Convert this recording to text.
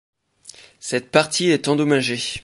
Cette partie est endommagée.